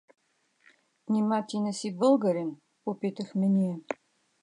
— Нима ти не си българин? — попитахме ние.